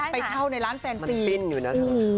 ไปเช่าในร้านแฟนใหม่ปิ้นอยู่นะเธอ